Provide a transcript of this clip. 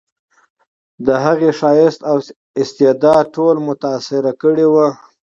د هغې ښایست او استعداد ټول متاثر کړي وو